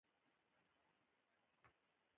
کله نا کله هغه زمونږ لیدو ته راځي